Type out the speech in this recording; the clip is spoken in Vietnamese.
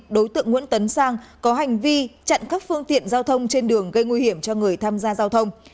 đối tượng nguyễn tấn sang có hành vi chặn các phương tiện giao thông trên đường gây nguy hiểm cho người tham gia giao thông